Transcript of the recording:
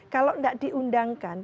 kalau tidak diundangkan